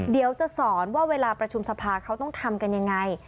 เดี๋ยวจะสอนว่าเวลาประชุมสภาเขาต้องทำกันยังไง